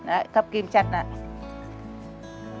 đấy cập kim chặt lại